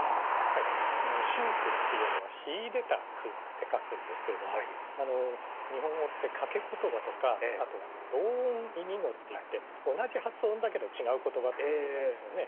秀句っていうのは「秀でた句」って書くんですけれども日本語って掛詞とかあと同音異義語っていって同じ発音だけど違う言葉ってございますよね。